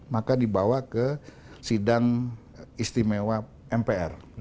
maka dibawa ke sidang istimewa mpr